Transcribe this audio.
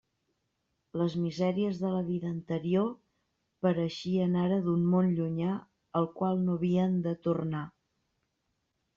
Les misèries de la vida anterior pareixien ara d'un món llunyà al qual no havien de tornar.